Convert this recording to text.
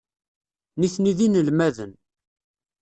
Nitni d inelmaden.